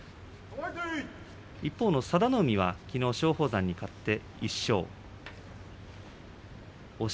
一方の佐田の海、きのう松鳳山に勝ちました１勝です。